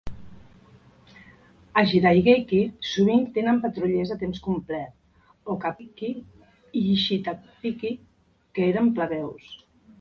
A "jidaigeki", sovint tenen patrullers a temps complet, "okappiki" i "shitappiki", que eren plebeus.